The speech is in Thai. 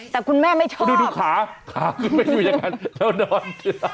แต่คุณแม่ไม่ชอบดูขาขาขึ้นไปอยู่อย่างนั้นเธอนอน